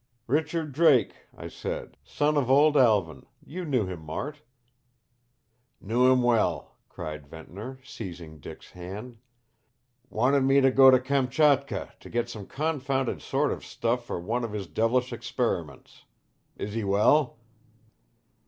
"Richard Drake," I said. "Son of old Alvin you knew him, Mart." "Knew him well," cried Ventnor, seizing Dick's hand. "Wanted me to go to Kamchatka to get some confounded sort of stuff for one of his devilish experiments. Is he well?"